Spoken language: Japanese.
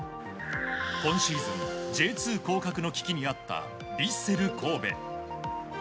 今シーズンＪ２降格の危機にあったヴィッセル神戸。